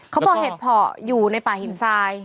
เขาเป่าหัวเห็ดเหงิงพออยู่ในป่าหินทราย